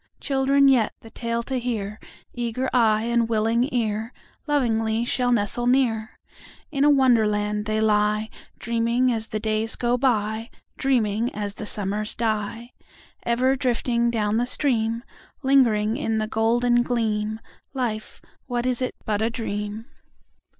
Children yet, the tale to hear, Eager eye and willing ear, Lovingly shall nestle near. In a Wonderland they lie, Dreaming as the days go by, Dreaming as the summers die: Ever drifting down the stream— Lingering in the golden gleam— Life, what is it but a dream?